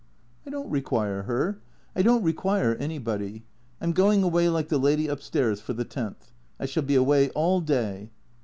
" I don't require her. I don't require anybody. I 'm going awav, like the lady up stairs, for the tenth. I shall be away all day."